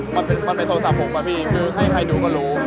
มันเป็นโทรศัพท์ผมอะพี่คือให้ใครดูก็รู้